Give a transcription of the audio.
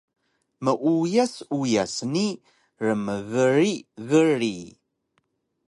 Meuyas uyas ni rmgrig grig